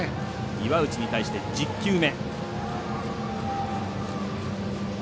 岩内に対して１０球目。